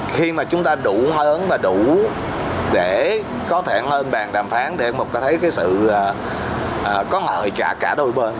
khi mà chúng ta đủ hướng và đủ để có thể lên bàn đàm phán để một cái sự có lợi cả đôi bên